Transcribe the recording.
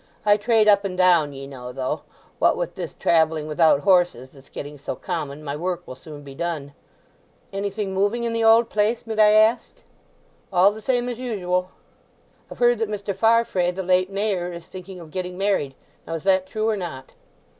"I trade up and down, ye know; though, what with this travelling without horses that's getting so common, my work will soon be done." "Anything moving in the old place, mid I ask?" "All the same as usual." "I've heard that Mr. Farfrae, the late mayor, is thinking of getting married. Now is that true or not?"